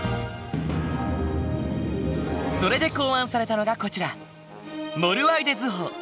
それで考案されたのがこちらモルワイデ図法。